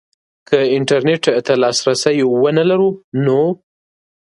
که انترنټ ته لاسرسی ونه لرو نو